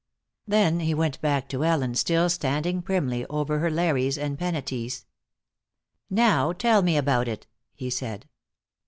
Then he went back to Ellen, still standing primly over her Lares and Penates. "Now tell me about it," he said.